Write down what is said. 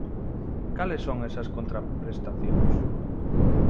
¿Cales son esas contraprestacións?